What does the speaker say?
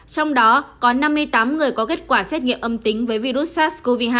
trong đó có năm mươi tám người có kết quả xét nghiệm âm tính với virus sars